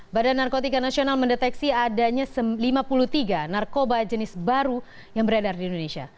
badan narkotika nasional mendeteksi adanya lima puluh tiga narkoba jenis baru yang beredar di indonesia